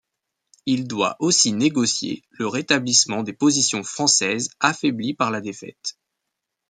Il doit aussi négocier le rétablissement des positions françaises affaiblies par la défaite.